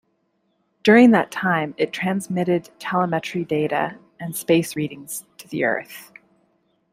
During that time, it transmitted telemetry data and space readings to the Earth.